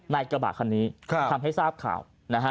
ในกระบาดคันนี้ทำให้ทราบข่าว